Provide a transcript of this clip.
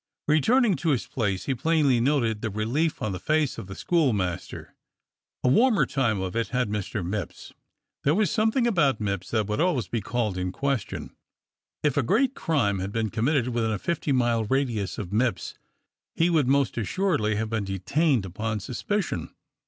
Returning to his place, he plainly noted the relief on the face of the schoolmaster. A warmer time of it had Mr. Mipps. There was something about Mipps that would always be called in question. If a great crime had been committed within a fifty mile radius of Mipps, he would most assuredly have been detained upon suspicion.